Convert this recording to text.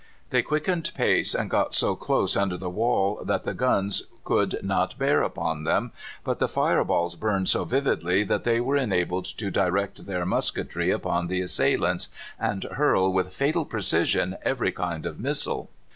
They quickened pace and got so close under the wall that the guns could not bear upon them, but the fire balls burned so vividly that they were enabled to direct their musketry upon the assailants, and hurl with fatal precision every kind of missile.